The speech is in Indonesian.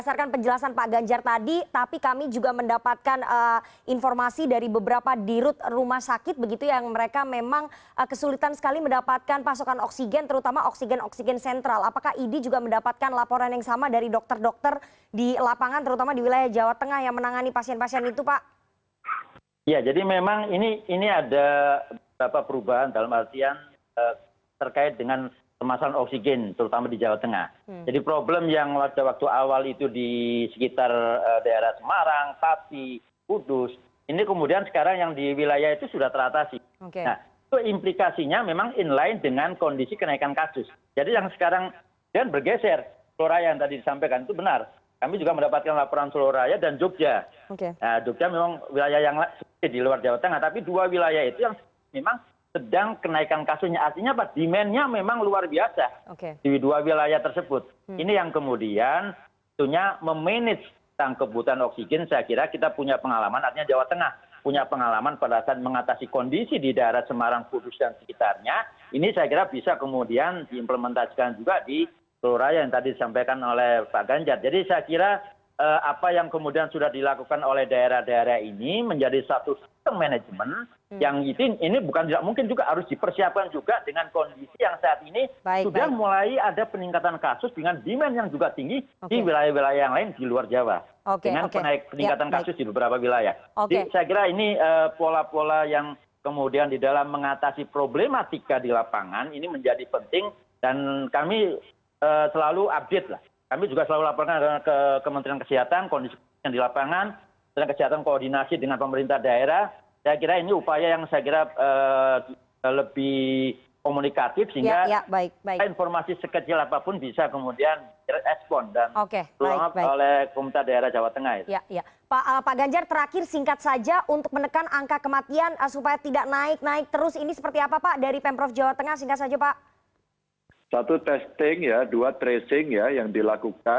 selamat sore mbak rifana